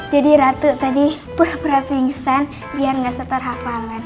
jadi ratu tadi pura pura pingsan biar gak setar hafalan